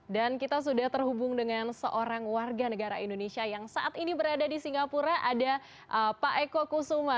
dan kita sudah terhubung dengan seorang warga negara indonesia yang saat ini berada di singapura ada pak eko kusuma